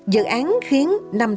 dự án khiến